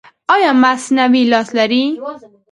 ایا مصنوعي لاس لرئ؟